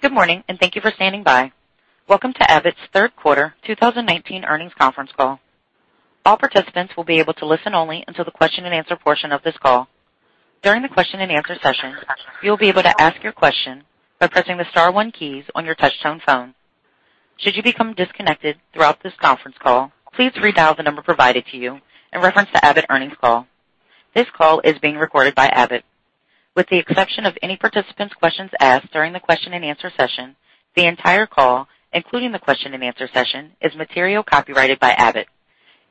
Good morning, and thank you for standing by. Welcome to Abbott's third quarter 2019 earnings conference call. All participants will be able to listen only until the question and answer portion of this call. During the question and answer session, you will be able to ask your question by pressing the star one keys on your touchtone phone. Should you become disconnected throughout this conference call, please redial the number provided to you in reference to Abbott earnings call. This call is being recorded by Abbott. With the exception of any participant's questions asked during the question and answer session, the entire call, including the question and answer session, is material copyrighted by Abbott.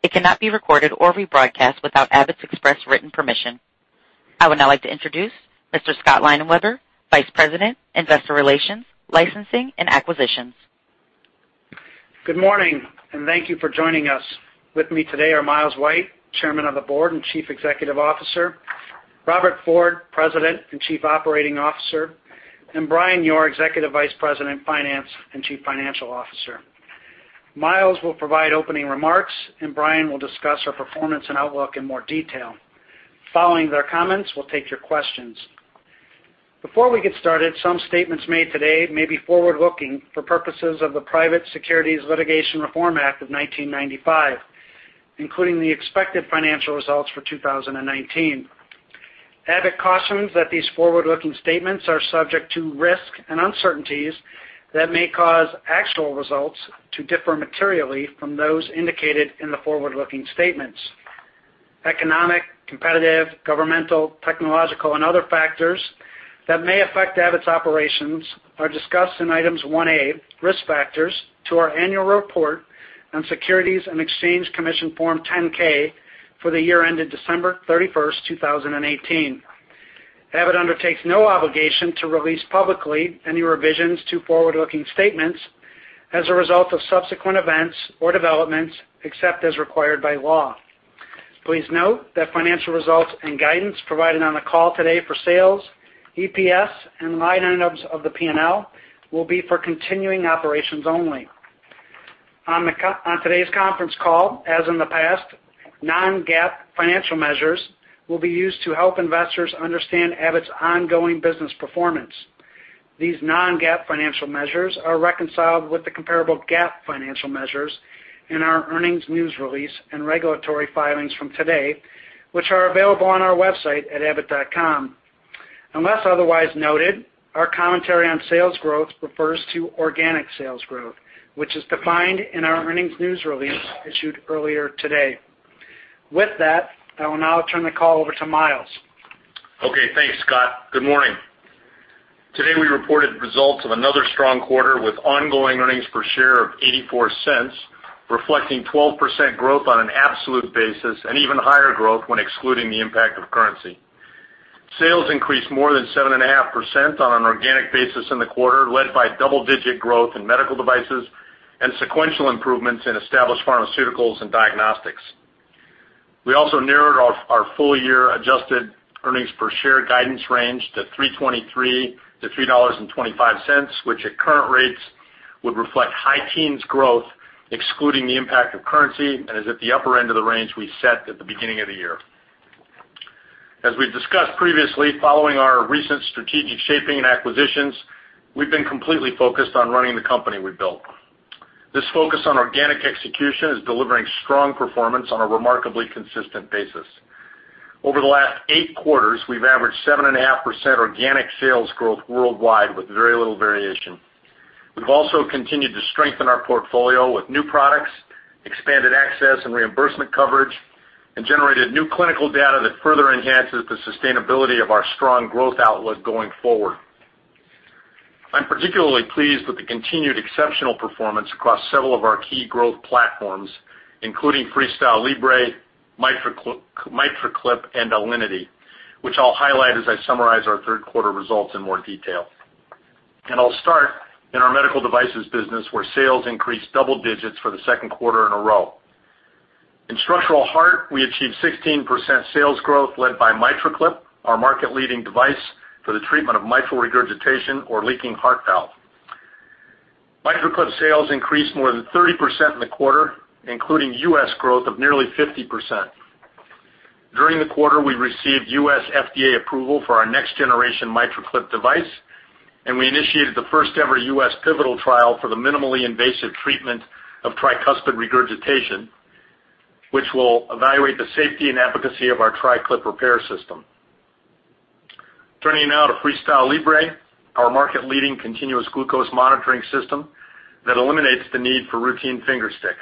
It cannot be recorded or rebroadcast without Abbott's express written permission. I would now like to introduce Mr. Scott Leinenweber, Vice President, Investor Relations, Licensing, and Acquisitions. Good morning, and thank you for joining us. With me today are Miles White, Chairman of the Board and Chief Executive Officer, Robert Ford, President and Chief Operating Officer, and Brian Yoor, Executive Vice President, Finance and Chief Financial Officer. Miles will provide opening remarks, and Brian will discuss our performance and outlook in more detail. Following their comments, we'll take your questions. Before we get started, some statements made today may be forward-looking for purposes of the Private Securities Litigation Reform Act of 1995, including the expected financial results for 2019. Abbott cautions that these forward-looking statements are subject to risk and uncertainties that may cause actual results to differ materially from those indicated in the forward-looking statements. Economic, competitive, governmental, technological, and other factors that may affect Abbott's operations are discussed in Items 1A, Risk Factors, to our annual report on Securities and Exchange Commission Form 10-K for the year ended December 31st, 2018. Abbott undertakes no obligation to release publicly any revisions to forward-looking statements as a result of subsequent events or developments, except as required by law. Please note that financial results and guidance provided on the call today for sales, EPS, and line items of the P&L will be for continuing operations only. On today's conference call, as in the past, non-GAAP financial measures will be used to help investors understand Abbott's ongoing business performance. These non-GAAP financial measures are reconciled with the comparable GAAP financial measures in our earnings news release and regulatory filings from today, which are available on our website at abbott.com. Unless otherwise noted, our commentary on sales growth refers to organic sales growth, which is defined in our earnings news release issued earlier today. With that, I will now turn the call over to Miles. Okay, thanks, Scott. Good morning. Today, we reported results of another strong quarter with ongoing earnings per share of $0.84, reflecting 12% growth on an absolute basis and even higher growth when excluding the impact of currency. Sales increased more than 7.5% on an organic basis in the quarter, led by double-digit growth in medical devices and sequential improvements in established pharmaceuticals and diagnostics. We also narrowed our full-year adjusted earnings per share guidance range to $3.23-$3.25, which at current rates would reflect high teens growth excluding the impact of currency and is at the upper end of the range we set at the beginning of the year. As we've discussed previously, following our recent strategic shaping and acquisitions, we've been completely focused on running the company we built. This focus on organic execution is delivering strong performance on a remarkably consistent basis. Over the last eight quarters, we've averaged 7.5% organic sales growth worldwide with very little variation. We've also continued to strengthen our portfolio with new products, expanded access and reimbursement coverage, and generated new clinical data that further enhances the sustainability of our strong growth outlook going forward. I'm particularly pleased with the continued exceptional performance across several of our key growth platforms, including FreeStyle Libre, MitraClip, and Alinity, which I'll highlight as I summarize our third quarter results in more detail. I'll start in our Medical Devices business, where sales increased double digits for the second quarter in a row. In Structural Heart, we achieved 16% sales growth led by MitraClip, our market-leading device for the treatment of mitral regurgitation or leaking heart valve. MitraClip sales increased more than 30% in the quarter, including U.S. growth of nearly 50%. During the quarter, we received U.S. FDA approval for our next-generation MitraClip device, and we initiated the first-ever U.S. pivotal trial for the minimally invasive treatment of tricuspid regurgitation, which will evaluate the safety and efficacy of our TriClip repair system. Turning now to FreeStyle Libre, our market-leading continuous glucose monitoring system that eliminates the need for routine finger sticks.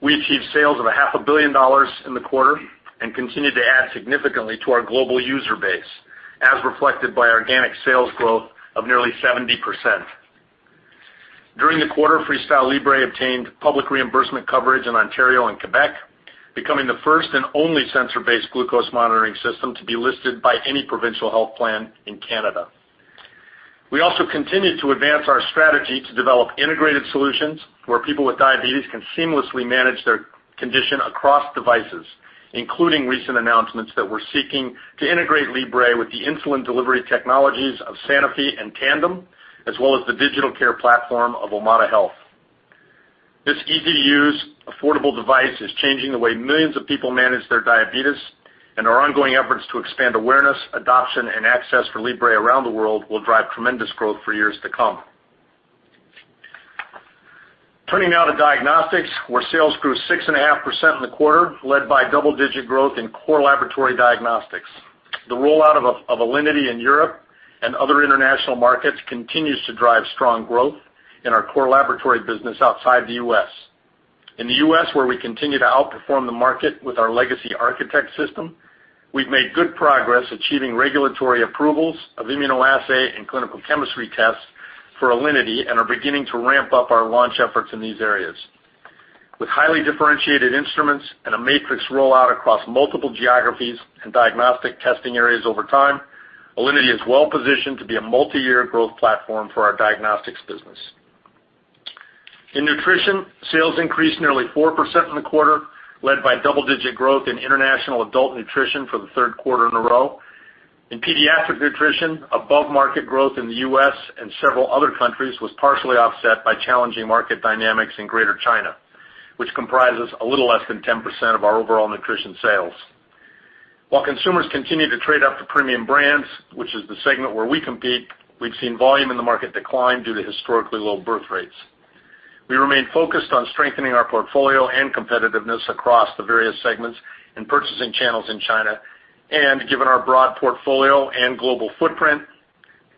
We achieved sales of a half a billion dollars in the quarter and continued to add significantly to our global user base, as reflected by organic sales growth of nearly 70%. During the quarter, FreeStyle Libre obtained public reimbursement coverage in Ontario and Quebec, becoming the first and only sensor-based glucose monitoring system to be listed by any provincial health plan in Canada. We also continued to advance our strategy to develop integrated solutions where people with diabetes can seamlessly manage their condition across devices, including recent announcements that we're seeking to integrate Libre with the insulin delivery technologies of Sanofi and Tandem, as well as the digital care platform of Omada Health. Our ongoing efforts to expand awareness, adoption, and access for Libre around the world will drive tremendous growth for years to come. Turning now to diagnostics, where sales grew 6.5% in the quarter, led by double-digit growth in core laboratory diagnostics. The rollout of Alinity in Europe and other international markets continues to drive strong growth in our core laboratory business outside the U.S. In the U.S., where we continue to outperform the market with our legacy ARCHITECT system, we've made good progress achieving regulatory approvals of immunoassay and clinical chemistry tests for Alinity and are beginning to ramp up our launch efforts in these areas. With highly differentiated instruments and a matrix rollout across multiple geographies and diagnostic testing areas over time, Alinity is well positioned to be a multi-year growth platform for our diagnostics business. In nutrition, sales increased nearly 4% in the quarter, led by double-digit growth in international adult nutrition for the third quarter in a row. In pediatric nutrition, above-market growth in the U.S. and several other countries was partially offset by challenging market dynamics in Greater China, which comprises a little less than 10% of our overall nutrition sales. While consumers continue to trade up to premium brands, which is the segment where we compete, we've seen volume in the market decline due to historically low birth rates. We remain focused on strengthening our portfolio and competitiveness across the various segments and purchasing channels in China. Given our broad portfolio and global footprint,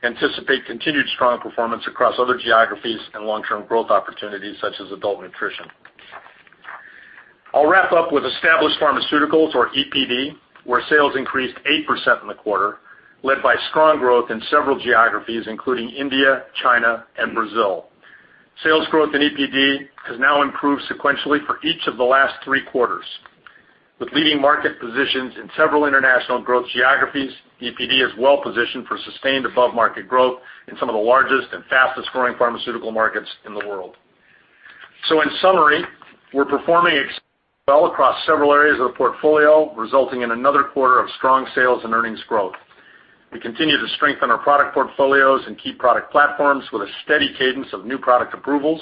anticipate continued strong performance across other geographies and long-term growth opportunities such as adult nutrition. I'll wrap up with Established Pharmaceuticals or EPD, where sales increased 8% in the quarter, led by strong growth in several geographies, including India, China, and Brazil. Sales growth in EPD has now improved sequentially for each of the last three quarters. With leading market positions in several international growth geographies, EPD is well positioned for sustained above-market growth in some of the largest and fastest-growing pharmaceutical markets in the world. In summary, we're performing well across several areas of the portfolio, resulting in another quarter of strong sales and earnings growth. We continue to strengthen our product portfolios and key product platforms with a steady cadence of new product approvals,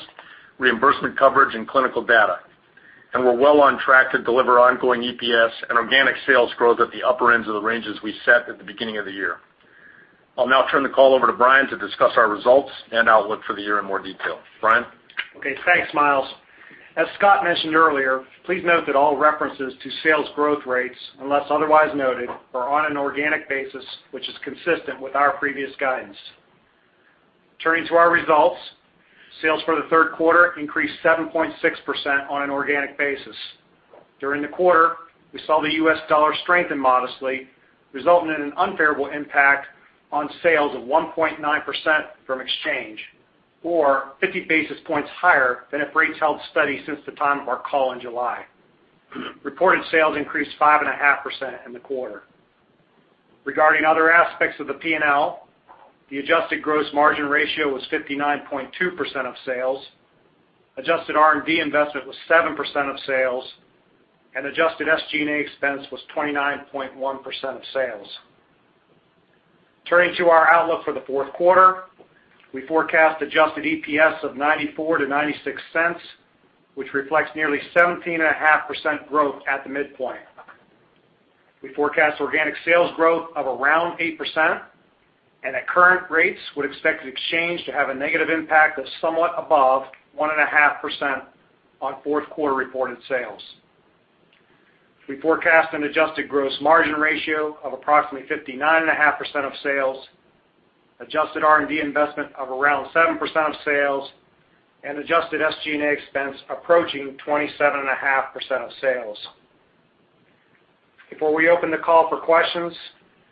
reimbursement coverage, and clinical data. We're well on track to deliver ongoing EPS and organic sales growth at the upper ends of the ranges we set at the beginning of the year. I'll now turn the call over to Brian to discuss our results and outlook for the year in more detail. Brian? Okay, thanks, Miles. As Scott mentioned earlier, please note that all references to sales growth rates, unless otherwise noted, are on an organic basis, which is consistent with our previous guidance. Turning to our results, sales for the third quarter increased 7.6% on an organic basis. During the quarter, we saw the U.S. dollar strengthen modestly, resulting in an unfavorable impact on sales of 1.9% from exchange, or 50 basis points higher than if rates held steady since the time of our call in July. Reported sales increased 5.5% in the quarter. Regarding other aspects of the P&L, the adjusted gross margin ratio was 59.2% of sales, adjusted R&D investment was 7% of sales, and adjusted SG&A expense was 29.1% of sales. Turning to our outlook for the fourth quarter, we forecast adjusted EPS of $0.94 to $0.96, which reflects nearly 17.5% growth at the midpoint. We forecast organic sales growth of around 8% and at current rates would expect exchange to have a negative impact of somewhat above 1.5% on fourth quarter reported sales. We forecast an adjusted gross margin ratio of approximately 59.5% of sales, adjusted R&D investment of around 7% of sales, and adjusted SG&A expense approaching 27.5% of sales. Before we open the call for questions,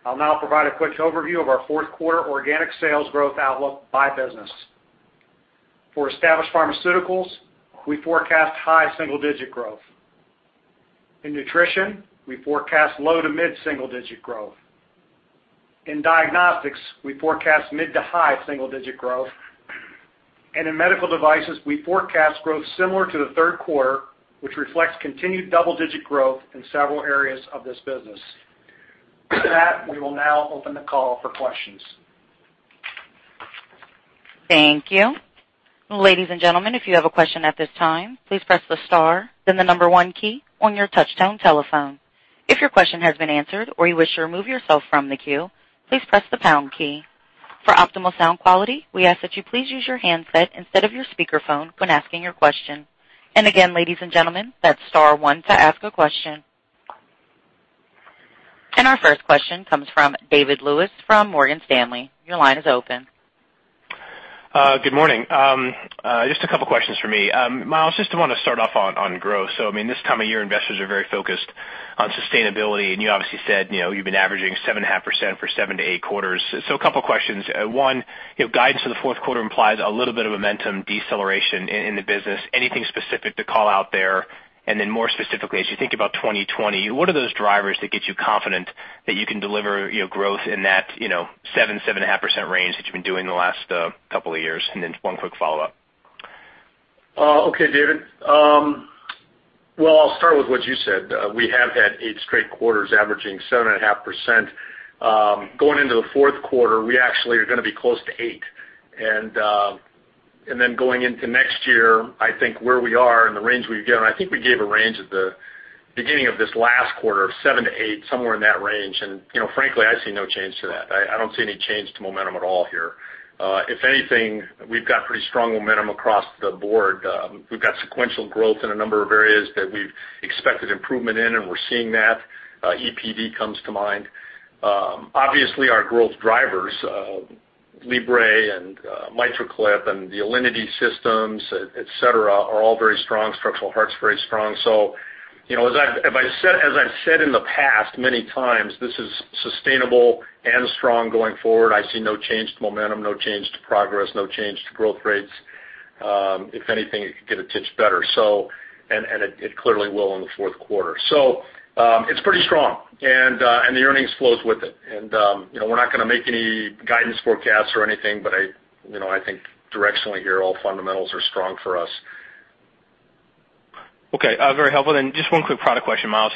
I'll now provide a quick overview of our fourth quarter organic sales growth outlook by business. For Established Pharmaceuticals, we forecast high single-digit growth. In nutrition, we forecast low to mid single-digit growth. In diagnostics, we forecast mid to high single-digit growth. In medical devices, we forecast growth similar to the third quarter, which reflects continued double-digit growth in several areas of this business. With that, we will now open the call for questions. Thank you. Ladies and gentlemen, if you have a question at this time, please press the star, then the number one key on your touchtone telephone. If your question has been answered or you wish to remove yourself from the queue, please press the pound key. For optimal sound quality, we ask that you please use your handset instead of your speakerphone when asking your question. Again, ladies and gentlemen, that's star one to ask a question. Our first question comes from David Lewis from Morgan Stanley. Your line is open. Good morning. Just a couple of questions from me. Miles, just want to start off on growth. This time of year, investors are very focused on sustainability, and you obviously said you've been averaging 7.5% for seven to eight quarters. A couple of questions. One, guidance for the fourth quarter implies a little bit of momentum deceleration in the business. Anything specific to call out there? More specifically, as you think about 2020, what are those drivers that get you confident that you can deliver growth in that 7.5% range that you've been doing the last couple of years? One quick follow-up. Okay, David. Well, I'll start with what you said. We have had eight straight quarters averaging 7.5%. Going into the fourth quarter, we actually are going to be close to eight. Then going into next year, I think where we are and the range we've given, I think we gave a range at the beginning of this last quarter of 7-8, somewhere in that range, and frankly, I see no change to that. I don't see any change to momentum at all here. If anything, we've got pretty strong momentum across the board. We've got sequential growth in a number of areas that we've expected improvement in, and we're seeing that. EPD comes to mind. Obviously, our growth drivers, Libre and MitraClip and the Alinity systems, et cetera, are all very strong. Structural heart's very strong. As I've said in the past many times, this is sustainable and strong going forward. I see no change to momentum, no change to progress, no change to growth rates. If anything, it could get a tinge better. It clearly will in the fourth quarter. It's pretty strong, and the earnings flows with it. We're not going to make any guidance forecasts or anything, but I think directionally here, all fundamentals are strong for us. Okay. Very helpful. Just one quick product question, Miles.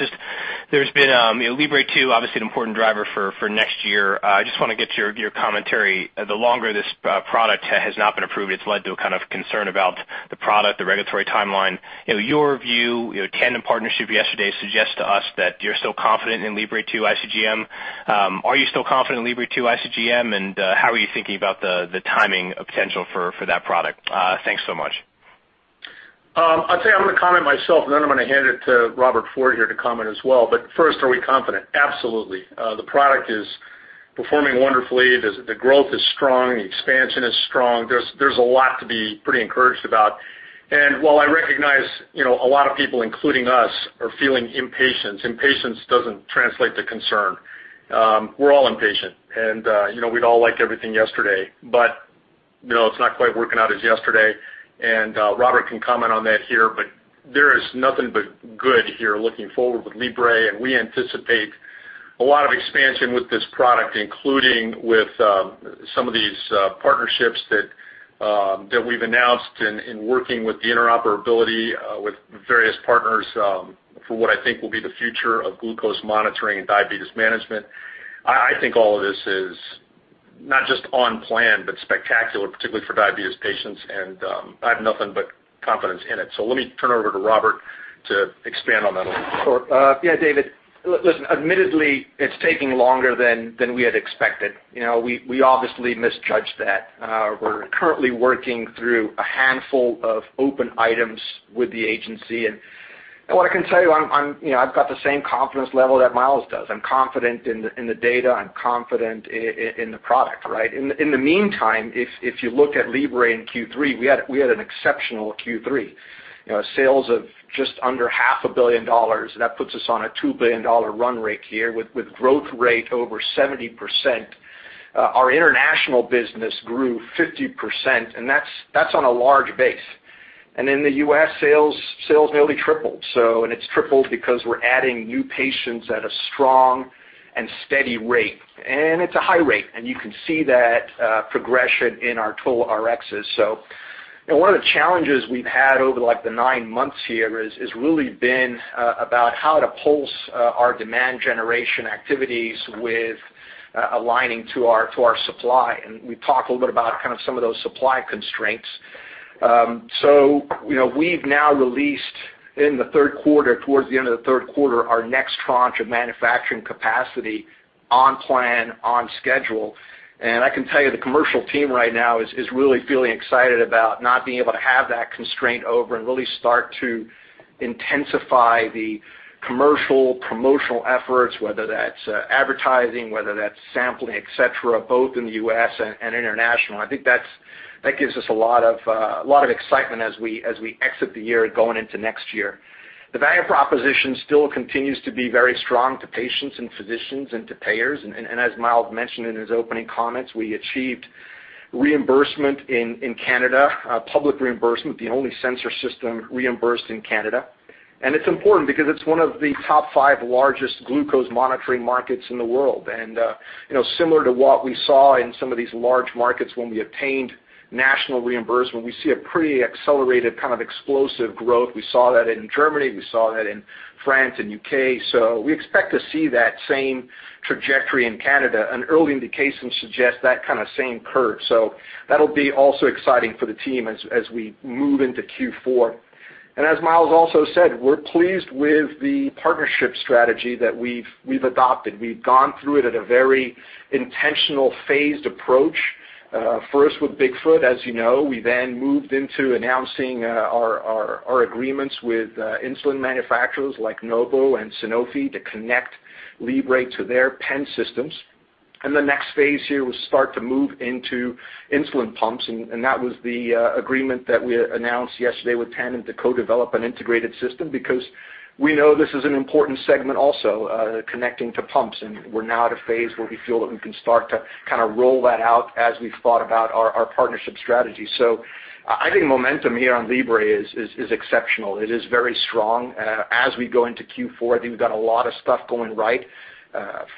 There's been Libre 2, obviously, an important driver for next year. I just want to get your commentary. The longer this product has not been approved, it's led to a kind of concern about the product, the regulatory timeline. Your view, Tandem partnership yesterday suggests to us that you're still confident in Libre 2 ICGM. Are you still confident in Libre 2 ICGM, how are you thinking about the timing potential for that product? Thanks so much. I'd say I'm going to comment myself, and then I'm going to hand it to Robert Ford here to comment as well. First, are we confident? Absolutely. The product is performing wonderfully. The growth is strong. The expansion is strong. There's a lot to be pretty encouraged about. While I recognize a lot of people, including us, are feeling impatience doesn't translate to concern. We're all impatient, and we'd all like everything yesterday, but it's not quite working out as yesterday. Robert can comment on that here, but there is nothing but good here looking forward with Libre, and we anticipate a lot of expansion with this product, including with some of these partnerships that we've announced in working with the interoperability with various partners for what I think will be the future of glucose monitoring and diabetes management. I think all of this is not just on plan, but spectacular, particularly for diabetes patients, and I have nothing but confidence in it. Let me turn it over to Robert to expand on that a little. Sure. David. Listen, admittedly, it's taking longer than we had expected. We obviously misjudged that. We're currently working through a handful of open items with the agency. What I can tell you, I've got the same confidence level that Miles does. I'm confident in the data. I'm confident in the product, right? In the meantime, if you look at Libre in Q3, we had an exceptional Q3. Sales of just under half a billion dollars, that puts us on a $2 billion run rate year with growth rate over 70%. Our international business grew 50%, and that's on a large base. In the U.S., sales nearly tripled. It's tripled because we're adding new patients at a strong and steady rate. It's a high rate, and you can see that progression in our total RXs. One of the challenges we've had over the last nine months here has really been about how to pulse our demand generation activities with aligning to our supply. We talked a little bit about kind of some of those supply constraints. We've now released in the third quarter, towards the end of the third quarter, our next tranche of manufacturing capacity on plan, on schedule. I can tell you the commercial team right now is really feeling excited about not being able to have that constraint over and really start to intensify the commercial promotional efforts, whether that's advertising, whether that's sampling, et cetera, both in the U.S. and international. I think that gives us a lot of excitement as we exit the year going into next year. The value proposition still continues to be very strong to patients and physicians and to payers. As Miles mentioned in his opening comments, we achieved reimbursement in Canada, public reimbursement, the only sensor system reimbursed in Canada. It's important because it's one of the top five largest glucose monitoring markets in the world. Similar to what we saw in some of these large markets when we obtained national reimbursement, we see a pretty accelerated kind of explosive growth. We saw that in Germany. We saw that in France and U.K. We expect to see that same trajectory in Canada, and early indications suggest that kind of same curve. That'll be also exciting for the team as we move into Q4. As Miles also said, we're pleased with the partnership strategy that we've adopted. We've gone through it at a very intentional phased approach. First with Bigfoot, as you know. We then moved into announcing our agreements with insulin manufacturers like Novo and Sanofi to connect Libre to their pen systems. The next phase here will start to move into insulin pumps, and that was the agreement that we announced yesterday with Tandem to co-develop an integrated system because we know this is an important segment also, connecting to pumps, and we're now at a phase where we feel that we can start to kind of roll that out as we've thought about our partnership strategy. I think momentum here on Libre is exceptional. It is very strong. As we go into Q4, I think we've got a lot of stuff going right,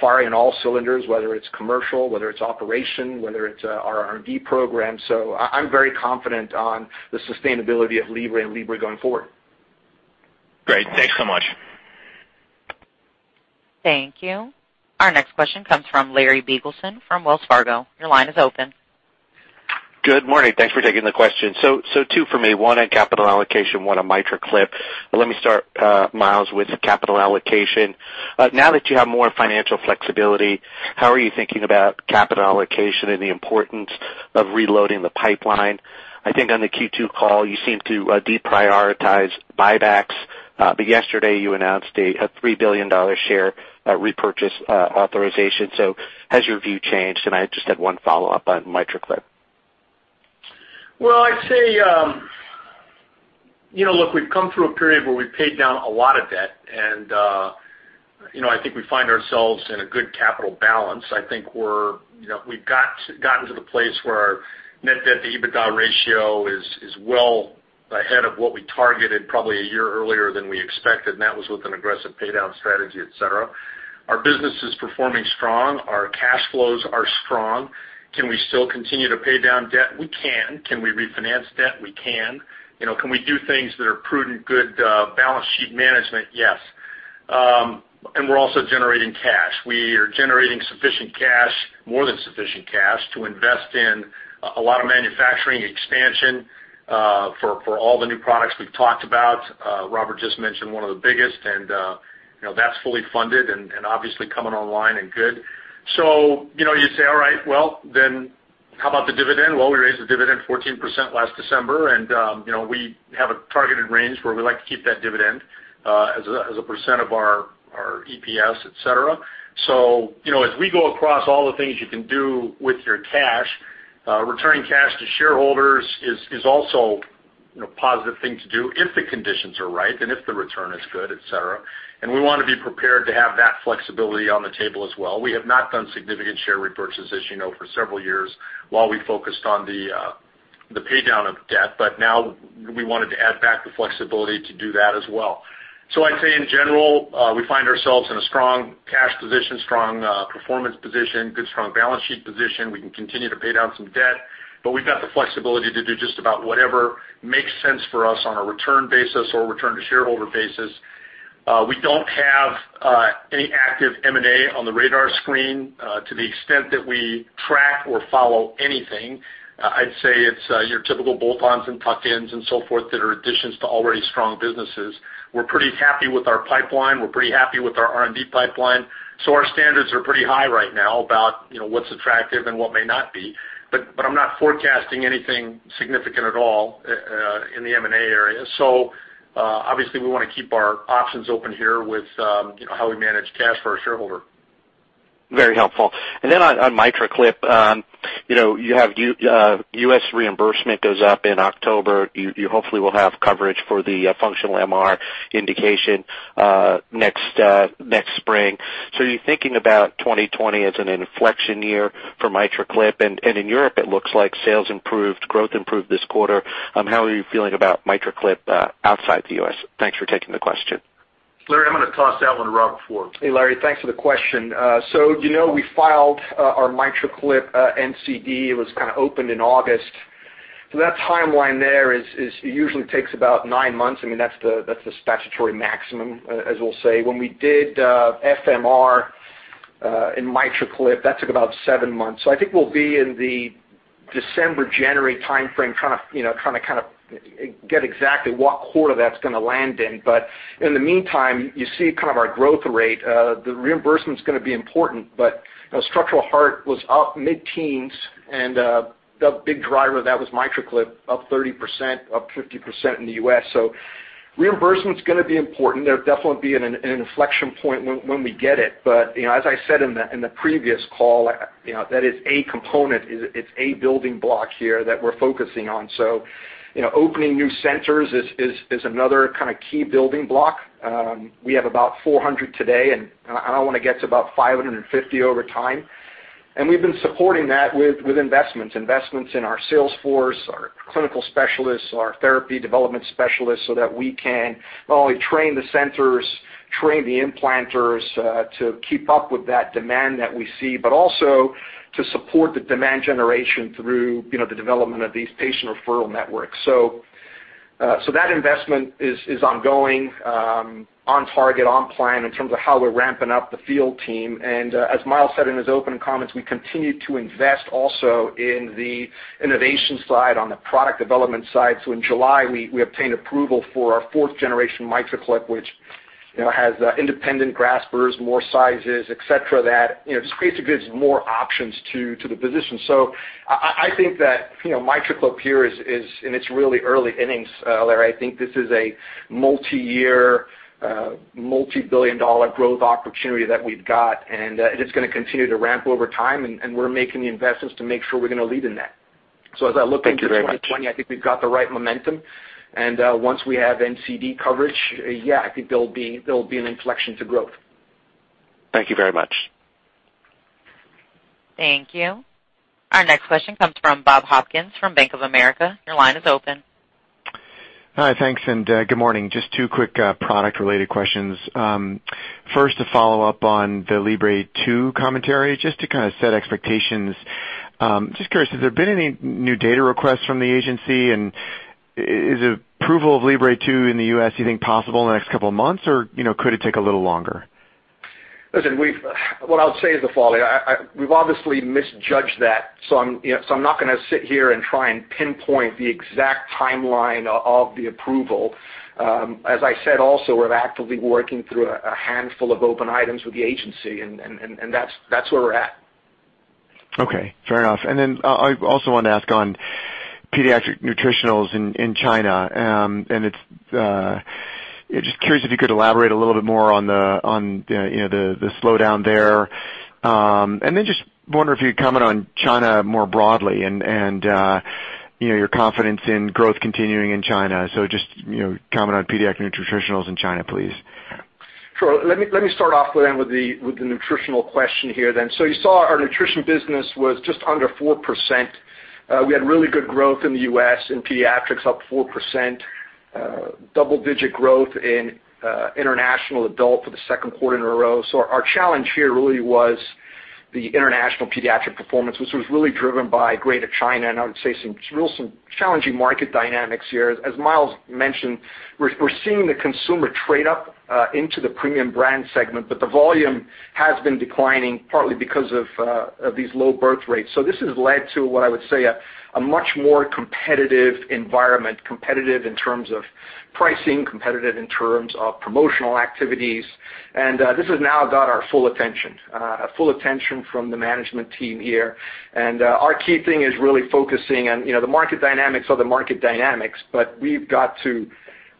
firing all cylinders, whether it's commercial, whether it's operation, whether it's our R&D program. I'm very confident on the sustainability of Libre and Libre going forward. Great. Thanks so much. Thank you. Our next question comes from Larry Biegelsen from Wells Fargo. Your line is open. Good morning. Thanks for taking the question. Two for me, one on capital allocation, one on MitraClip. Let me start, Miles, with capital allocation. Now that you have more financial flexibility, how are you thinking about capital allocation and the importance of reloading the pipeline? I think on the Q2 call, you seemed to deprioritize buybacks, yesterday you announced a $3 billion share repurchase authorization. Has your view changed? I just had one follow-up on MitraClip. Well, I'd say, look, we've come through a period where we've paid down a lot of debt. I think we find ourselves in a good capital balance. I think we've gotten to the place where our net debt to EBITDA ratio is well ahead of what we targeted, probably one year earlier than we expected. That was with an aggressive pay down strategy, et cetera. Our business is performing strong. Our cash flows are strong. Can we still continue to pay down debt? We can. Can we refinance debt? We can. Can we do things that are prudent, good balance sheet management? Yes. We're also generating cash. We are generating sufficient cash, more than sufficient cash, to invest in a lot of manufacturing expansion for all the new products we've talked about. Robert just mentioned one of the biggest. That's fully funded and obviously coming online and good. You say, all right, well, then how about the dividend? Well, we raised the dividend 14% last December. We have a targeted range where we like to keep that dividend as a percent of our EPS, et cetera. As we go across all the things you can do with your cash, returning cash to shareholders is also a positive thing to do if the conditions are right and if the return is good, et cetera. We want to be prepared to have that flexibility on the table as well. We have not done significant share repurchases for several years while we focused on the pay down of debt. Now we wanted to add back the flexibility to do that as well. I'd say in general, we find ourselves in a strong cash position, strong performance position, good strong balance sheet position. We can continue to pay down some debt, but we've got the flexibility to do just about whatever makes sense for us on a return basis or return to shareholder basis. We don't have any active M&A on the radar screen. To the extent that we track or follow anything, I'd say it's your typical bolt-ons and tuck-ins and so forth that are additions to already strong businesses. We're pretty happy with our pipeline. We're pretty happy with our R&D pipeline. Our standards are pretty high right now about what's attractive and what may not be. I'm not forecasting anything significant at all in the M&A area. Obviously we want to keep our options open here with how we manage cash for our shareholder. Very helpful. On MitraClip, you have U.S. reimbursement goes up in October. You hopefully will have coverage for the functional MR indication next spring. You're thinking about 2020 as an inflection year for MitraClip, and in Europe it looks like sales improved, growth improved this quarter. How are you feeling about MitraClip outside the U.S.? Thanks for taking the question. Larry, I'm going to toss that one to Robert Ford. Hey, Larry, thanks for the question. We filed our MitraClip NCD. It was kind of opened in August. That timeline there usually takes about nine months. That's the statutory maximum, as we'll say. When we did FMR in MitraClip, that took about seven months. I think we'll be in the December, January timeframe trying to kind of get exactly what quarter that's going to land in. In the meantime, you see kind of our growth rate. The reimbursement's going to be important, but structural heart was up mid-teens and the big driver of that was MitraClip, up 30%, up 50% in the U.S. Reimbursement's going to be important. There'll definitely be an inflection point when we get it. As I said in the previous call, that is a component. It's a building block here that we're focusing on. Opening new centers is another kind of key building block. We have about 400 today, and I want to get to about 550 over time. We've been supporting that with investments in our sales force, our clinical specialists, our therapy development specialists, so that we can not only train the centers, train the implanters to keep up with that demand that we see, but also to support the demand generation through the development of these patient referral networks. That investment is ongoing, on target, on plan in terms of how we're ramping up the field team. As Miles said in his opening comments, we continue to invest also in the innovation side, on the product development side. In July, we obtained approval for our fourth generation MitraClip, which has independent graspers, more sizes, et cetera, that basically gives more options to the physician. I think that MitraClip here is in its really early innings, Larry. I think this is a multi-year, multi-billion dollar growth opportunity that we've got, and it's going to continue to ramp over time, and we're making the investments to make sure we're going to lead in that. Thank you very much. As I look into 2020, I think we've got the right momentum. Once we have NCD coverage, yeah, I think there'll be an inflection to growth. Thank you very much. Thank you. Our next question comes from Bob Hopkins from Bank of America. Your line is open. Hi, thanks, and good morning. Just two quick product-related questions. First, to follow up on the Libre 2 commentary, just to kind of set expectations. Just curious, has there been any new data requests from the agency? Is approval of Libre 2 in the U.S. you think possible in the next couple of months, or could it take a little longer? Listen, what I'll say is the following. We've obviously misjudged that. I'm not going to sit here and try and pinpoint the exact timeline of the approval. As I said also, we're actively working through a handful of open items with the agency. That's where we're at. Okay, fair enough. I also wanted to ask on pediatric nutritionals in China. Just curious if you could elaborate a little bit more on the slowdown there. Just wonder if you'd comment on China more broadly and your confidence in growth continuing in China. Just comment on pediatric nutritionals in China, please. Sure. Let me start off with the nutritional question here. You saw our nutrition business was just under 4%. We had really good growth in the U.S., in pediatrics, up 4%, double-digit growth in international adult for the second quarter in a row. Our challenge here really was the international pediatric performance, which was really driven by Greater China and I would say some real challenging market dynamics here. As Miles mentioned, we're seeing the consumer trade up into the premium brand segment, but the volume has been declining, partly because of these low birth rates. This has led to what I would say a much more competitive environment, competitive in terms of pricing, competitive in terms of promotional activities. This has now got our full attention. A full attention from the management team here. Our key thing is really focusing on the market dynamics of the market dynamics, but we've got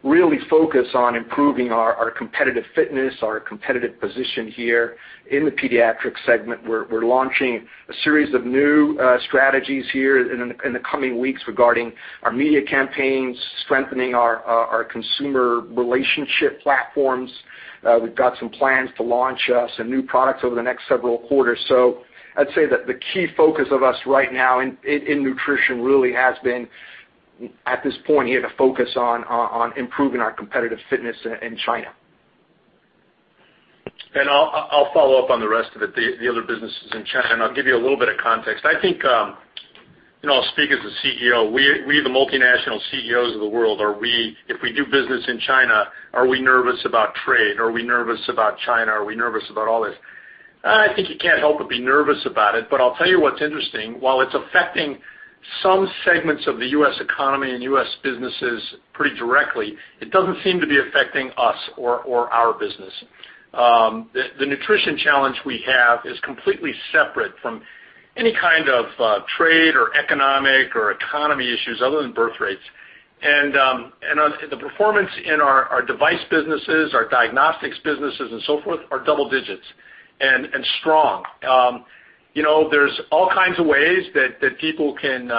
to really focus on improving our competitive fitness, our competitive position here in the pediatric segment. We're launching a series of new strategies here in the coming weeks regarding our media campaigns, strengthening our consumer relationship platforms. We've got some plans to launch some new products over the next several quarters. I'd say that the key focus of us right now in nutrition really has been, at this point here, to focus on improving our competitive fitness in China. I'll follow up on the rest of it, the other businesses in China, and I'll give you a little bit of context. I think, I'll speak as a CEO. We, the multinational CEOs of the world, if we do business in China, are we nervous about trade? Are we nervous about China? Are we nervous about all this? I think you can't help but be nervous about it, but I'll tell you what's interesting. While it's affecting some segments of the U.S. economy and U.S. businesses pretty directly, it doesn't seem to be affecting us or our business. The nutrition challenge we have is completely separate from any kind of trade or economic or economy issues other than birth rates. The performance in our device businesses, our diagnostics businesses and so forth are double digits and strong. There's all kinds of ways that people can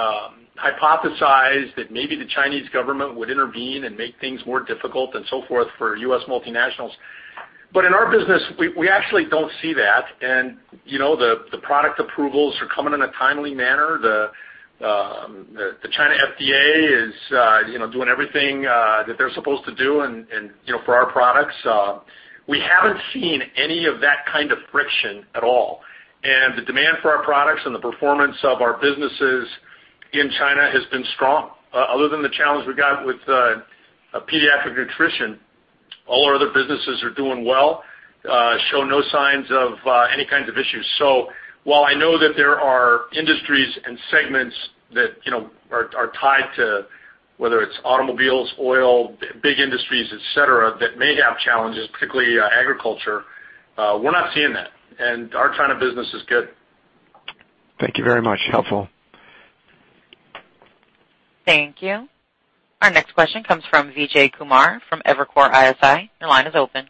hypothesize that maybe the Chinese government would intervene and make things more difficult and so forth for U.S. multinationals. In our business, we actually don't see that, and the product approvals are coming in a timely manner. The China FDA is doing everything that they're supposed to do for our products. We haven't seen any of that kind of friction at all, and the demand for our products and the performance of our businesses in China has been strong. Other than the challenge we've got with pediatric nutrition, all our other businesses are doing well, show no signs of any kinds of issues. While I know that there are industries and segments that are tied to whether it's automobiles, oil, big industries, et cetera, that may have challenges, particularly agriculture, we're not seeing that. Our China business is good. Thank you very much. Helpful. Thank you. Our next question comes from Vijay Kumar from Evercore ISI. Your line is open.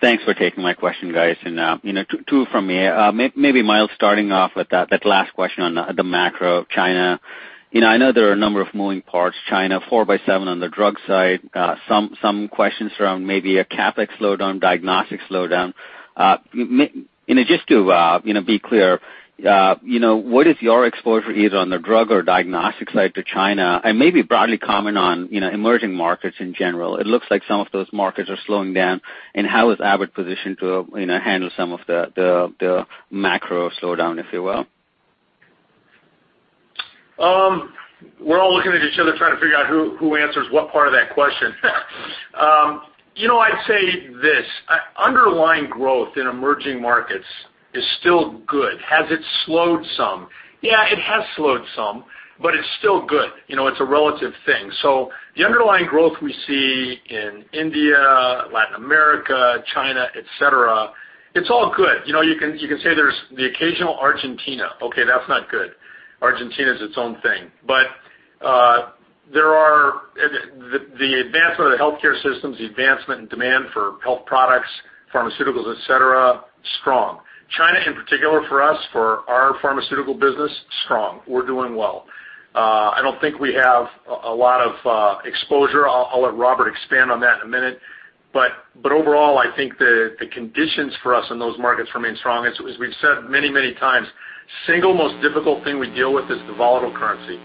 Thanks for taking my question, guys. Two from me. Maybe, Miles, starting off with that last question on the macro of China. I know there are a number of moving parts, China, 4+7 on the drug side, some questions around maybe a CapEx slowdown, diagnostics slowdown. Just to be clear, what is your exposure either on the drug or diagnostic side to China and maybe broadly comment on emerging markets in general. It looks like some of those markets are slowing down. How is Abbott positioned to handle some of the macro slowdown, if you will? We're all looking at each other trying to figure out who answers what part of that question. I'd say this. Underlying growth in emerging markets is still good. Has it slowed some? Yeah, it has slowed some, but it's still good. It's a relative thing. The underlying growth we see in India, Latin America, China, et cetera, it's all good. You can say there's the occasional Argentina. Okay, that's not good. Argentina's its own thing. The advancement of the healthcare systems, the advancement and demand for health products, pharmaceuticals, et cetera, strong. China in particular for us, for our pharmaceutical business, strong. We're doing well. I don't think we have a lot of exposure. I'll let Robert expand on that in a minute. Overall, I think the conditions for us in those markets remain strong. As we've said many times, single most difficult thing we deal with is the volatile currency.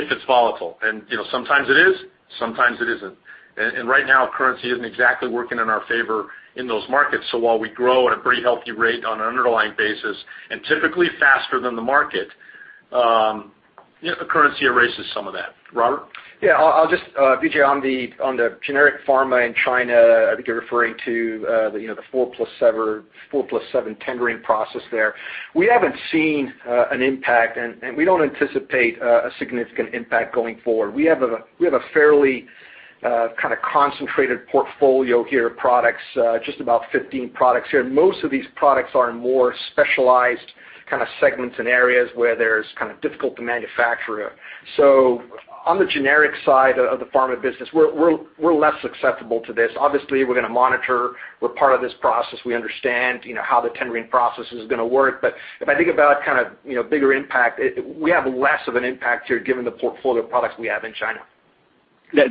If it's volatile. Sometimes it is, sometimes it isn't. Right now, currency isn't exactly working in our favor in those markets. While we grow at a pretty healthy rate on an underlying basis, and typically faster than the market, currency erases some of that. Robert? Yeah. Vijay, on the generic pharma in China, I think you're referring to the 4+7 tendering process there. We haven't seen an impact, and we don't anticipate a significant impact going forward. We have a fairly concentrated portfolio here of products, just about 15 products here, and most of these products are in more specialized segments in areas where there's difficult to manufacture. On the generic side of the pharma business, we're less susceptible to this. Obviously, we're going to monitor. We're part of this process. We understand how the tendering process is going to work. If I think about bigger impact, we have less of an impact here given the portfolio of products we have in China.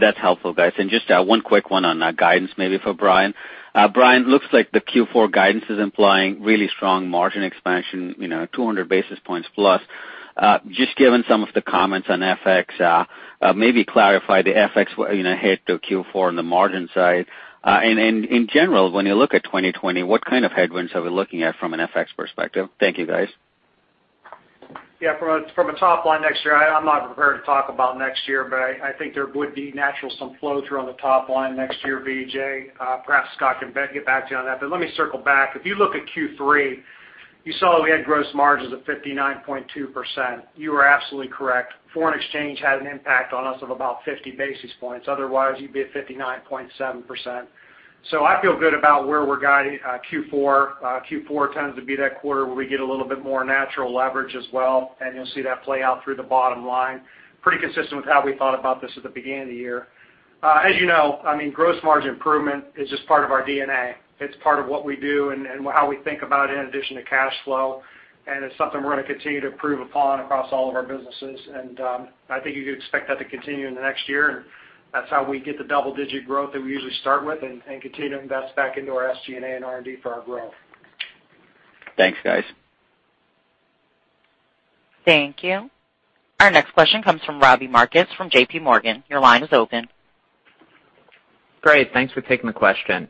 That's helpful, guys. Just one quick one on guidance, maybe for Brian. Brian, looks like the Q4 guidance is implying really strong margin expansion, 200 basis points plus. Just given some of the comments on FX, maybe clarify the FX hit to Q4 on the margin side. In general, when you look at 2020, what kind of headwinds are we looking at from an FX perspective? Thank you, guys. From a top line next year, I'm not prepared to talk about next year. I think there would be naturally some flow-through on the top line next year, Vijay. Perhaps Scott can get back to you on that. Let me circle back. If you look at Q3, you saw that we had gross margins of 59.2%. You are absolutely correct. Foreign exchange had an impact on us of about 50 basis points. Otherwise, you'd be at 59.7%. I feel good about where we're guiding Q4. Q4 tends to be that quarter where we get a little bit more natural leverage as well. You'll see that play out through the bottom line. Pretty consistent with how we thought about this at the beginning of the year. As you know, gross margin improvement is just part of our DNA. It's part of what we do and how we think about it, in addition to cash flow, and it's something we're going to continue to improve upon across all of our businesses. I think you could expect that to continue in the next year, and that's how we get the double-digit growth that we usually start with and continue to invest back into our SG&A and R&D for our growth. Thanks, guys. Thank you. Our next question comes from Robbie Marcus from JP Morgan. Your line is open. Great. Thanks for taking the question.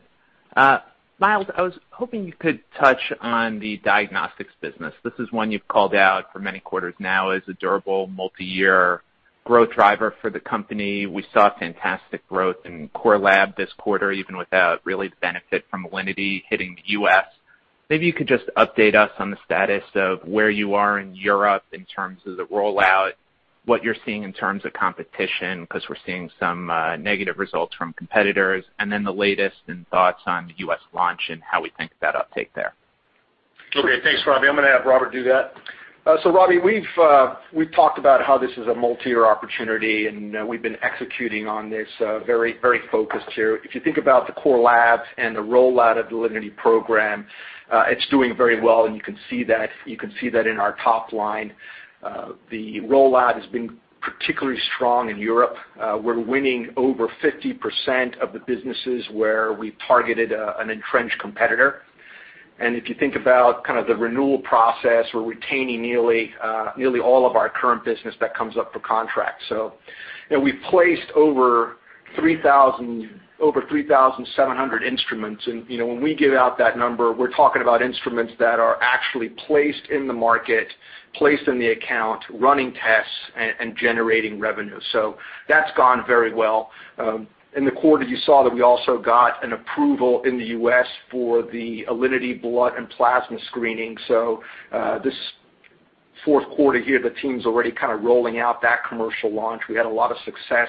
Miles, I was hoping you could touch on the diagnostics business. This is one you've called out for many quarters now as a durable multi-year growth driver for the company. We saw fantastic growth in Core Lab this quarter, even without really the benefit from Alinity hitting the U.S. Maybe you could just update us on the status of where you are in Europe in terms of the rollout, what you're seeing in terms of competition, because we're seeing some negative results from competitors, and then the latest in thoughts on the U.S. launch and how we think of that uptake there. Okay. Thanks, Robbie. I'm going to have Robert do that. Robbie, we've talked about how this is a multi-year opportunity, and we've been executing on this very focused here. If you think about the Core Labs and the rollout of the Alinity program, it's doing very well, and you can see that in our top line. The rollout has been particularly strong in Europe. We're winning over 50% of the businesses where we targeted an entrenched competitor. If you think about the renewal process, we're retaining nearly all of our current business that comes up for contract. We've placed over 3,700 instruments, and when we give out that number, we're talking about instruments that are actually placed in the market, placed in the account, running tests, and generating revenue. That's gone very well. In the quarter, you saw that we also got an approval in the U.S. for the Alinity blood and plasma screening. This fourth quarter here, the team's already rolling out that commercial launch. We had a lot of success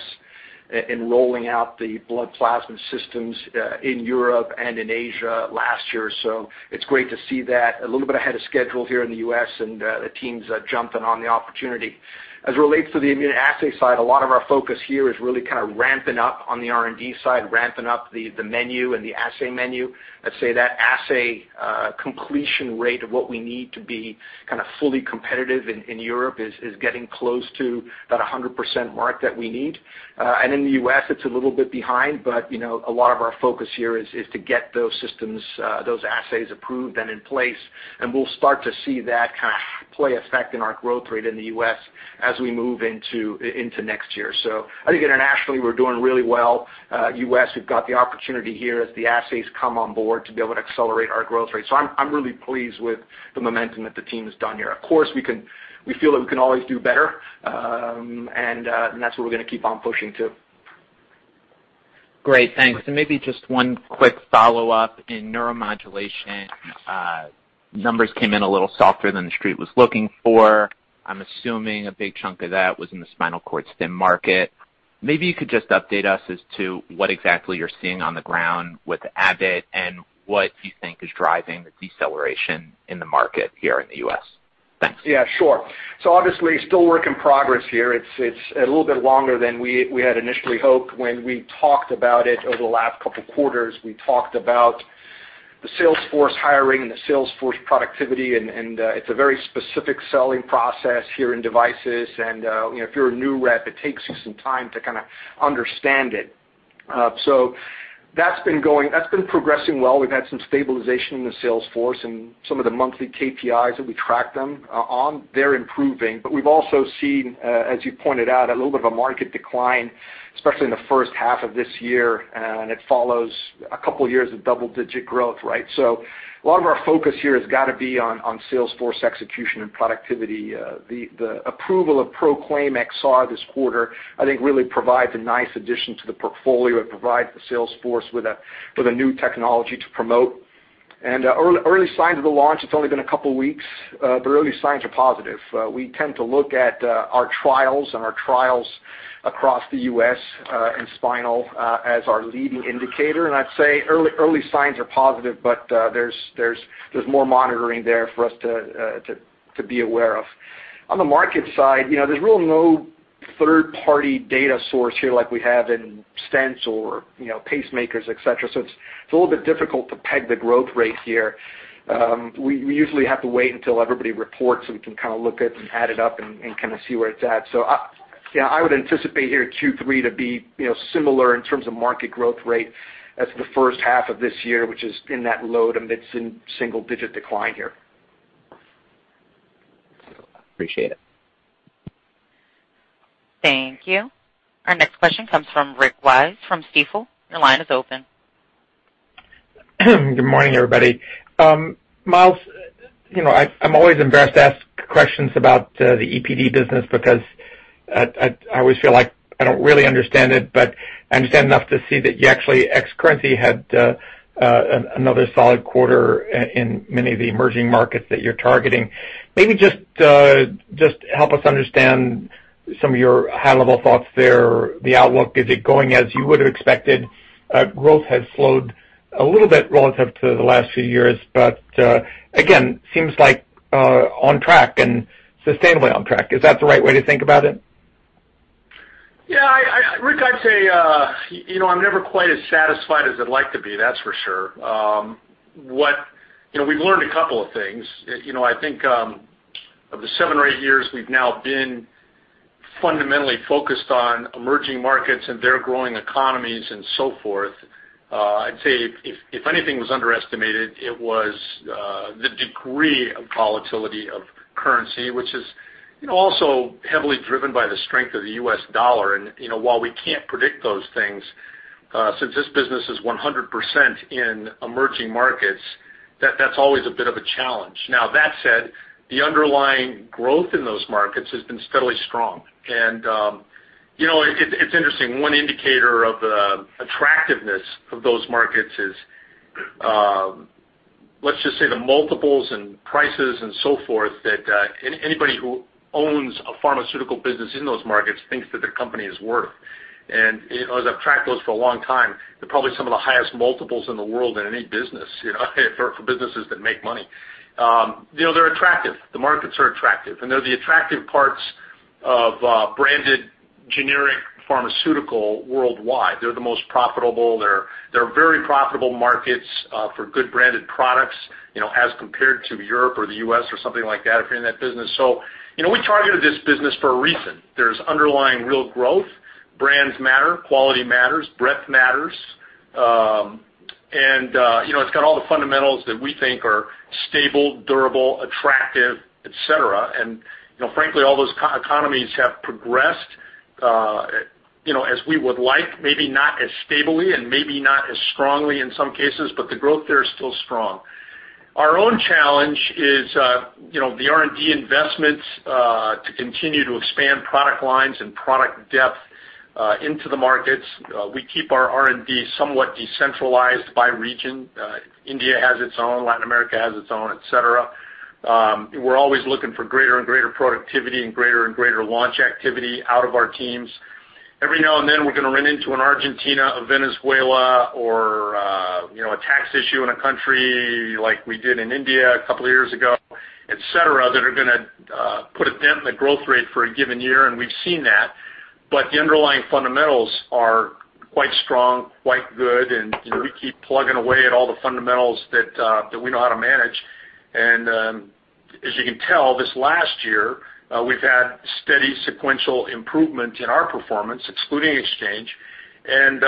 in rolling out the blood plasma systems in Europe and in Asia last year. It's great to see that a little bit ahead of schedule here in the U.S. and the team's jumping on the opportunity. As it relates to the immunoassay side, a lot of our focus here is really ramping up on the R&D side, ramping up the menu and the assay menu. I'd say that assay completion rate of what we need to be fully competitive in Europe is getting close to that 100% mark that we need. In the U.S., it's a little bit behind, but a lot of our focus here is to get those systems, those assays approved and in place, and we'll start to see that play effect in our growth rate in the U.S. as we move into next year. I think internationally, we're doing really well. U.S., we've got the opportunity here as the assays come on board to be able to accelerate our growth rate. I'm really pleased with the momentum that the team has done here. Of course, we feel that we can always do better, and that's what we're going to keep on pushing to. Great. Thanks. Maybe just one quick follow-up. In neuromodulation, numbers came in a little softer than the street was looking for. I'm assuming a big chunk of that was in the spinal cord stim market. Maybe you could just update us as to what exactly you're seeing on the ground with Abbott and what you think is driving the deceleration in the market here in the U.S. Thanks. Yeah, sure. Obviously, still a work in progress here. It's a little bit longer than we had initially hoped when we talked about it over the last couple of quarters. We talked about the sales force hiring, the sales force productivity, and it's a very specific selling process here in devices. If you're a new rep, it takes you some time to understand it. That's been progressing well. We've had some stabilization in the sales force and some of the monthly KPIs that we track them on, they're improving. We've also seen, as you pointed out, a little bit of a market decline, especially in the first half of this year, and it follows a couple of years of double-digit growth, right? A lot of our focus here has got to be on sales force execution and productivity. The approval of Proclaim XR this quarter, I think, really provides a nice addition to the portfolio. It provides the sales force with a new technology to promote. Early signs of the launch, it's only been a couple of weeks, but early signs are positive. We tend to look at our trials, and our trials across the U.S., in spinal, as our leading indicator. I'd say early signs are positive, but there's more monitoring there for us to be aware of. On the market side, there's really no third-party data source here like we have in stents or pacemakers, et cetera. It's a little bit difficult to peg the growth rate here. We usually have to wait until everybody reports, so we can kind of look at and add it up and kind of see where it's at. I would anticipate here Q3 to be similar in terms of market growth rate as the first half of this year, which is in that low to mid-single digit decline here. Appreciate it. Thank you. Our next question comes from Rick Wise from Stifel. Your line is open. Good morning, everybody. Miles, I'm always embarrassed to ask questions about the EPD business because I always feel like I don't really understand it, but I understand enough to see that you actually, ex currency, had another solid quarter in many of the emerging markets that you're targeting. Maybe just help us understand some of your high-level thoughts there, the outlook. Is it going as you would have expected? Growth has slowed a little bit relative to the last few years, but again, seems like on track and sustainably on track. Is that the right way to think about it? Yeah, Rick, I'd say, I'm never quite as satisfied as I'd like to be, that's for sure. We've learned a couple of things. I think, of the seven or eight years we've now been fundamentally focused on emerging markets and their growing economies and so forth, I'd say if anything was underestimated, it was the degree of volatility of currency, which is also heavily driven by the strength of the U.S. dollar. While we can't predict those things, since this business is 100% in emerging markets, that's always a bit of a challenge. Now, that said, the underlying growth in those markets has been steadily strong. It's interesting, one indicator of the attractiveness of those markets is, let's just say the multiples and prices and so forth that anybody who owns a pharmaceutical business in those markets thinks that their company is worth. As I've tracked those for a long time, they're probably some of the highest multiples in the world in any business, for businesses that make money. They're attractive. The markets are attractive. They're the attractive parts of branded generic pharmaceutical worldwide. They're the most profitable. They're very profitable markets for good branded products, as compared to Europe or the U.S. or something like that if you're in that business. We targeted this business for a reason. There's underlying real growth. Brands matter, quality matters, breadth matters. It's got all the fundamentals that we think are stable, durable, attractive, et cetera. Frankly, all those economies have progressed as we would like, maybe not as stably and maybe not as strongly in some cases, but the growth there is still strong. Our own challenge is the R&D investments to continue to expand product lines and product depth into the markets. We keep our R&D somewhat decentralized by region. India has its own, Latin America has its own, et cetera. We're always looking for greater and greater productivity and greater and greater launch activity out of our teams. Every now and then we're going to run into an Argentina, a Venezuela or a tax issue in a country like we did in India a couple of years ago, et cetera, that are going to put a dent in the growth rate for a given year. We've seen that. The underlying fundamentals are quite strong, quite good, and we keep plugging away at all the fundamentals that we know how to manage. As you can tell, this last year, we've had steady sequential improvement in our performance, excluding exchange, and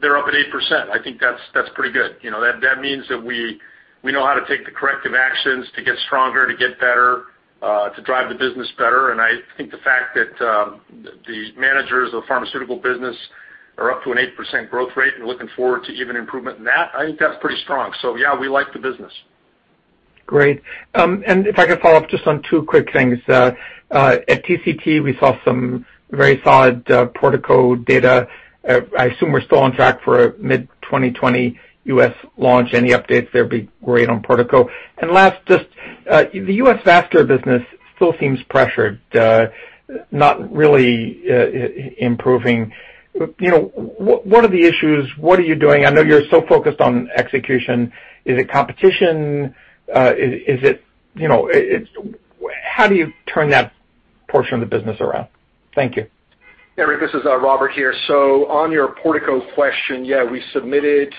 they're up at 8%. I think that's pretty good. That means that we know how to take the corrective actions to get stronger, to get better, to drive the business better. I think the fact that the managers of pharmaceutical business are up to an 8% growth rate and looking forward to even improvement in that, I think that's pretty strong. Yeah, we like the business. Great. If I could follow up just on two quick things. At TCT, we saw some very solid Portico data. I assume we're still on track for a mid-2020 U.S. launch. Any updates there would be great on Portico. Last, just the U.S. vascular business still seems pressured, not really improving. What are the issues? What are you doing? I know you're so focused on execution. Is it competition? How do you turn that portion of the business around? Thank you. Yeah, Rick, this is Robert here. On your Portico question, yeah, we submitted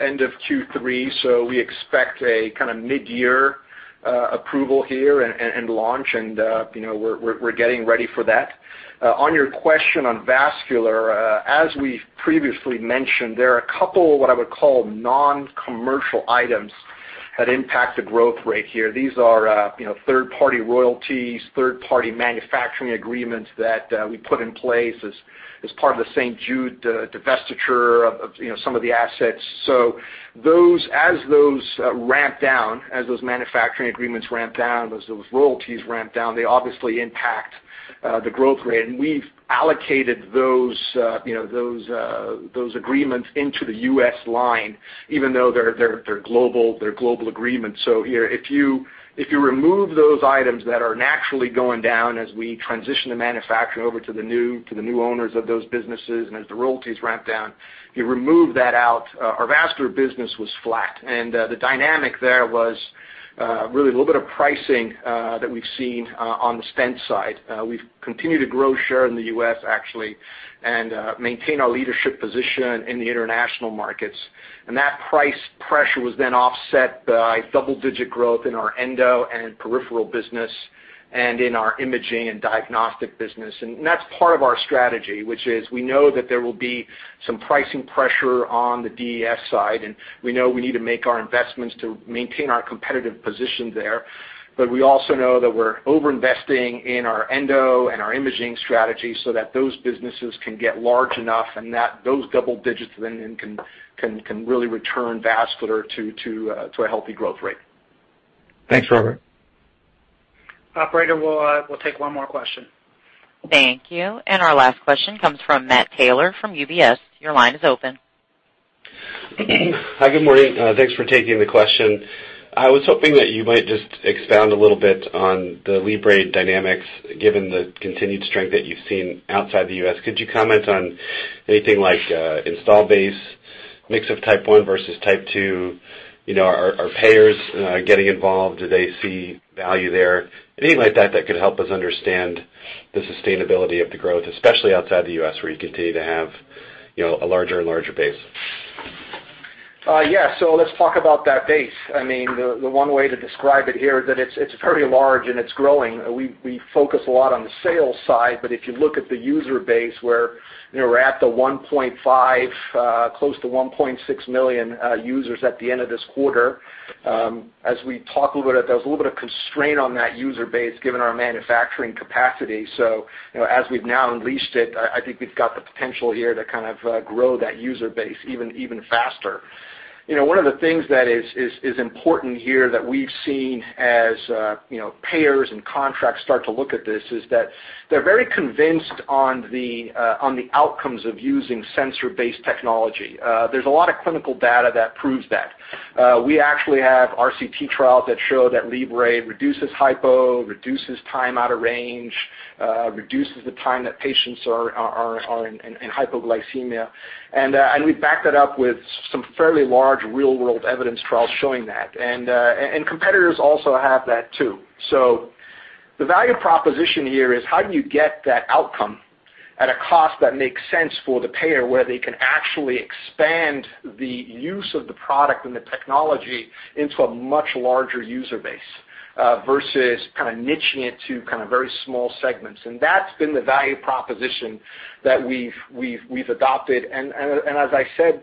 end of Q3, so we expect a kind of mid-year approval here and launch and we're getting ready for that. On your question on vascular, as we've previously mentioned, there are a couple of what I would call non-commercial items that impact the growth rate here. These are third-party royalties, third-party manufacturing agreements that we put in place as part of the St. Jude divestiture of some of the assets. As those ramp down, as those manufacturing agreements ramp down, as those royalties ramp down, they obviously impact the growth rate. We've allocated those agreements into the U.S. line, even though they're global agreements. If you remove those items that are naturally going down as we transition the manufacturing over to the new owners of those businesses and as the royalties ramp down, you remove that out, our Vascular business was flat. The dynamic there was really a little bit of pricing that we've seen on the stent side. We've continued to grow share in the U.S. actually, and maintain our leadership position in the international markets. That price pressure was then offset by double-digit growth in our endo and peripheral business and in our imaging and diagnostic business. That's part of our strategy, which is we know that there will be some pricing pressure on the DES side, and we know we need to make our investments to maintain our competitive position there. We also know that we're over-investing in our endo and our imaging strategy so that those businesses can get large enough and that those double digits then can really return Vascular to a healthy growth rate. Thanks, Robert. Operator, we'll take one more question. Thank you. Our last question comes from Matt Taylor from UBS. Your line is open. Hi, good morning. Thanks for taking the question. I was hoping that you might just expound a little bit on the Libre dynamics, given the continued strength that you've seen outside the U.S. Could you comment on anything like install base, mix of Type 1 versus Type 2? Are payers getting involved? Do they see value there? Anything like that could help us understand the sustainability of the growth, especially outside the U.S., where you continue to have a larger and larger base. Yeah. Let's talk about that base. The one way to describe it here is that it's very large and it's growing. We focus a lot on the sales side, but if you look at the user base where we're at the 1.5, close to 1.6 million users at the end of this quarter. As we talk a little bit, there was a little bit of constraint on that user base given our manufacturing capacity. As we've now unleashed it, I think we've got the potential here to kind of grow that user base even faster. One of the things that is important here that we've seen as payers and contracts start to look at this is that they're very convinced on the outcomes of using sensor-based technology. There's a lot of clinical data that proves that. We actually have RCT trials that show that Libre reduces hypo, reduces time out of range, reduces the time that patients are in hypoglycemia. We back that up with some fairly large real-world evidence trials showing that. Competitors also have that too. The value proposition here is how do you get that outcome at a cost that makes sense for the payer where they can actually expand the use of the product and the technology into a much larger user base versus kind of niching it to kind of very small segments. That's been the value proposition that we've adopted. As I said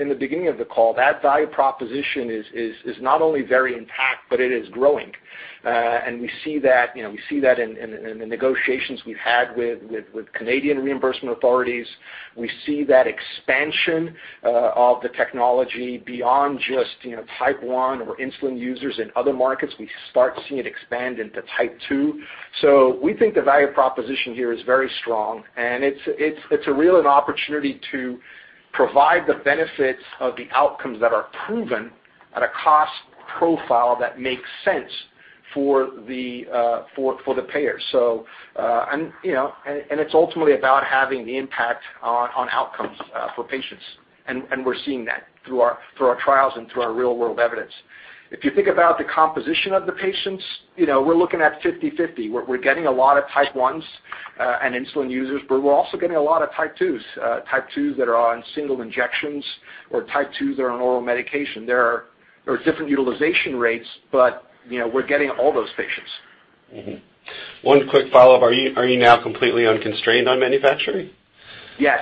in the beginning of the call, that value proposition is not only very intact, but it is growing. We see that in the negotiations we've had with Canadian reimbursement authorities. We see that expansion of the technology beyond just Type 1 or insulin users in other markets. We start seeing it expand into Type 2. We think the value proposition here is very strong, and it's a real opportunity to provide the benefits of the outcomes that are proven at a cost profile that makes sense for the payer. It's ultimately about having the impact on outcomes for patients. We're seeing that through our trials and through our real-world evidence. If you think about the composition of the patients, we're looking at 50/50. We're getting a lot of Type 1s and insulin users, but we're also getting a lot of Type 2s. Type 2s that are on single injections or Type 2s that are on oral medication. There are different utilization rates, but we're getting all those patients. Mm-hmm. One quick follow-up. Are you now completely unconstrained on manufacturing? Yes.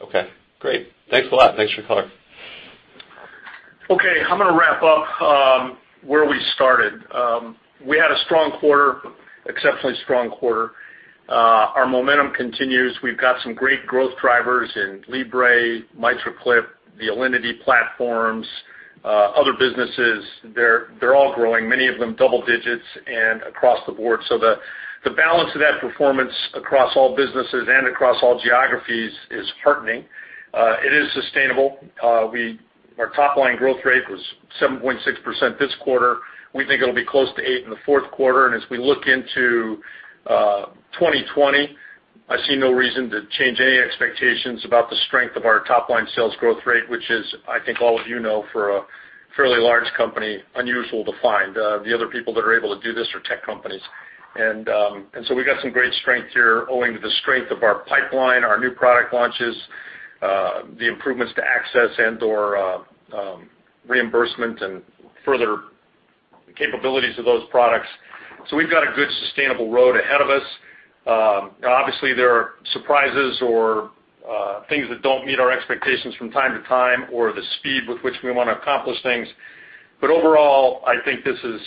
Okay, great. Thanks a lot. Thanks for calling. Okay. I'm going to wrap up where we started. We had a strong quarter, exceptionally strong quarter. Our momentum continues. We've got some great growth drivers in Libre, MitraClip, the Alinity platforms, other businesses. They're all growing, many of them double digits and across the board. The balance of that performance across all businesses and across all geographies is heartening. It is sustainable. Our top-line growth rate was 7.6% this quarter. We think it'll be close to eight in the fourth quarter. As we look into 2020, I see no reason to change any expectations about the strength of our top-line sales growth rate, which is, I think all of you know, for a fairly large company, unusual to find. The other people that are able to do this are tech companies. We got some great strength here owing to the strength of our pipeline, our new product launches, the improvements to access and/or reimbursement and further capabilities of those products. We've got a good sustainable road ahead of us. Obviously, there are surprises or things that don't meet our expectations from time to time or the speed with which we want to accomplish things. Overall, I think this is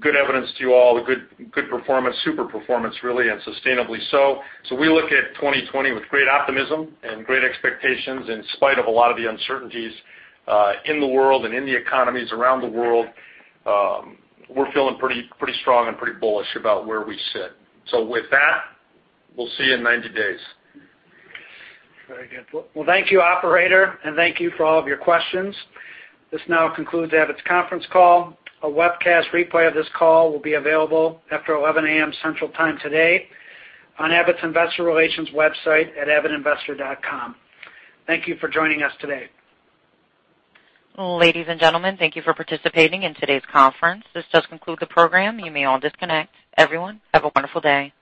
good evidence to you all, a good performance, super performance really, and sustainably so. We look at 2020 with great optimism and great expectations in spite of a lot of the uncertainties in the world and in the economies around the world. We're feeling pretty strong and pretty bullish about where we sit. With that, we'll see you in 90 days. Very good. Well, thank you, operator, and thank you for all of your questions. This now concludes Abbott's conference call. A webcast replay of this call will be available after 11:00 A.M. Central Time today on Abbott's investor relations website at abbottinvestor.com. Thank you for joining us today. Ladies and gentlemen, thank you for participating in today's conference. This does conclude the program. You may all disconnect. Everyone, have a wonderful day.